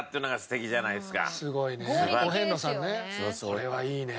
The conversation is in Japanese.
これはいいね。